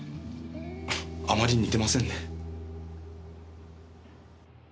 あまり似てませんね。